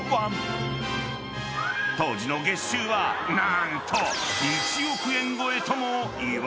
［当時の月収は何と１億円超えともいわれている］